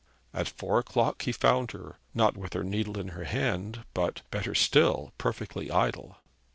At four o'clock he found her, not with her needle in her hand, but, better still, perfectly idle.